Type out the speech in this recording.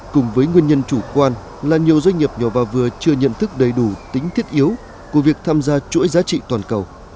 cùng với nguyên nhân chủ quan là nhiều doanh nghiệp nhỏ và vừa chưa nhận thức đầy đủ tính thiết yếu của việc tham gia chuỗi giá trị toàn cầu